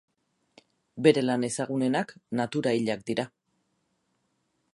Bere lan ezagunenak natura hilak dira.